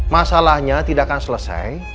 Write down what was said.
masalahnya tidak akan selesai